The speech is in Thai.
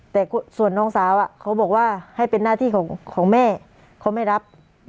แต่ส่วนน้องสาวเขาบอกว่าให้เป็นหน้าที่ของแม่เขาไม่รับ